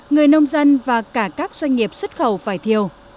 người nông dân và cả các doanh nghiệp xuất khẩu vải thiều